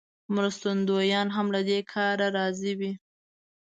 مرستندویان هم له دې کاره راضي وي.